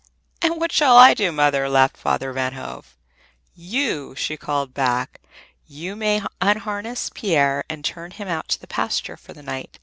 "And what shall I do, Mother?" laughed Father Van Hove. "You," she called back, "you may unharness Pier and turn him out in the pasture for the night!